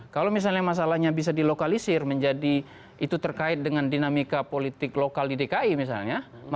kalau misalnya masalahnya bisa dilokalisir menjadi itu terkait dengan dinamika politik lokal di dki misalnya